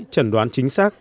trần đoán chính xác